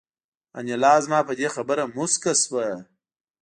انیلا زما په دې خبره موسکه شوه